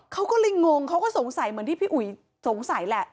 เขาก็เลยงงเขาก็สงสัยเหมือนที่พี่อุ๋ยสงสัยแหละ